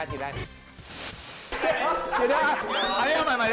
เอาใหม่เดี๋ยว